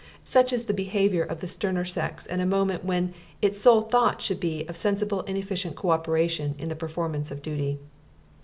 Such is the behaviour of the sterner sex at a moment when its sole thought should be of sensible and efficient co operation in the performance of duty.